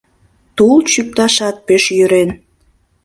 Тул чӱкташат пеш йӧрен;